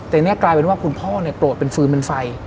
แต่นี่กลายเป็นว่าคุณพ่อเนี่ยโกรธเป็นฟืนเป็นไฟ